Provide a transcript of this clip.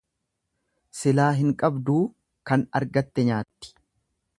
Silaa hin qabduu kan argatte nyaatti.